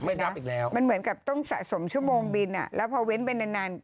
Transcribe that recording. รับอีกแล้วมันเหมือนกับต้องสะสมชั่วโมงบินอ่ะแล้วพอเว้นไปนานนาน